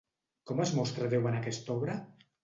Com es mostra Déu en aquesta obra?